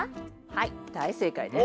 はい大正解です。